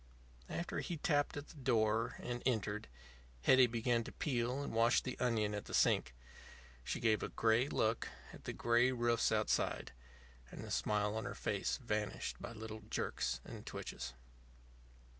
After he had tapped at the door and entered, Hetty began to peel and wash the onion at the sink. She gave a gray look at the gray roofs outside, and the smile on her face vanished by little jerks and twitches.